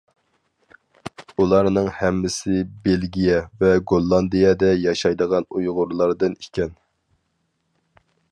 ئۇلارنىڭ ھەممىسى بېلگىيە ۋە گوللاندىيەدە ياشايدىغان ئۇيغۇرلاردىن ئىكەن.